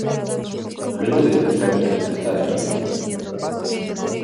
Luego de trece años de no estar allí.